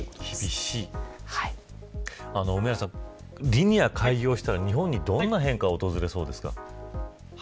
リニア開業したら日本にどのような変化が訪れそうですか。